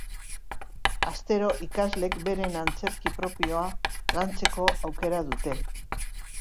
Astero ikasleek beren antzerki propioa lantzeko aukera dute.